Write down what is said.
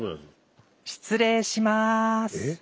失礼します。